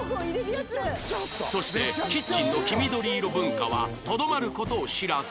そしてキッチンの黄緑色文化はとどまる事を知らず